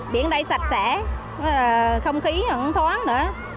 biển đây sạch sẽ không khí thói án nữa